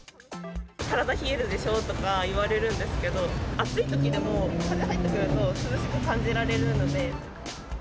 体冷えるでしょとか言われるんですけど、暑いときでも風入ってくると涼しく感じられるので。